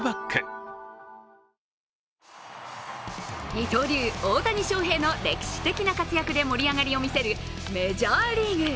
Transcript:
二刀流・大谷翔平の歴史的な活躍で盛り上がりを見せるメジャーリーグ。